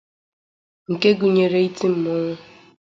nke gụnyere iti mmọnwụ